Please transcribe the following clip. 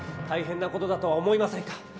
たいへんなことだとは思いませんか？